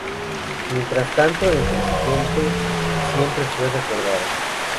Mientras tanto entre su gente siempre fue recordada.